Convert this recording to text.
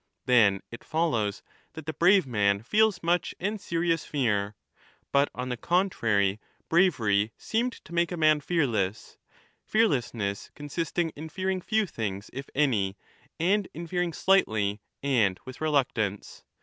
Then it follows that the 15 brave man feels much and serious fear; but on the contrary bravery seemed to make a man fearless, fearlessness con sisting in fearing few things if any, and in fearing slightly and with reluctance.